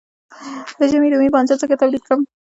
د ژمي رومي بانجان څنګه تولید کړم؟